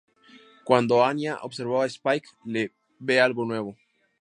Cuando Anya observa a Spike, ve algo nuevo.